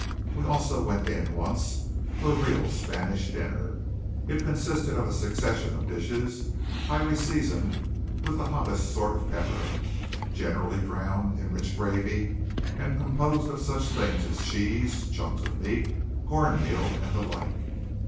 We also went in once for a real Spanish dinner. It consisted of a succession of dishes highly seasoned with the hottest sort of pepper, generally drowned in rich gravy, and composed of such things as cheese, chunks of meat, corn meal, and the like.